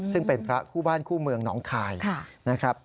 ซึ่งเป็นพระคู่บ้านคู่เมืองหนองคายนะครับ